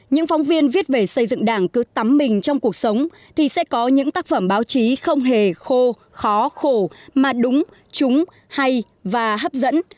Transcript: những phóng viên viết về xây dựng đảng cứ tắm mình trong cuộc sống thì sẽ có những tác phẩm báo chí không hề khô khó khổ mà đúng trúng hay và hấp dẫn